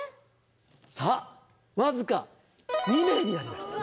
さあ僅か２名になりました。